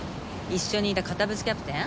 一緒にいた堅物キャプテン